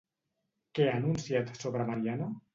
Què ha anunciat sobre Mariano?